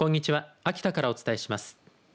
秋田からお伝えします。